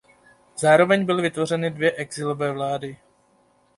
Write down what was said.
Zároveň byly vytvořeny dvě exilové vlády.